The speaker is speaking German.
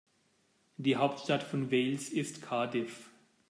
Die Hauptstadt von Wales ist Cardiff.